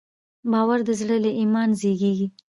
باور د زړه له ایمان زېږېږي.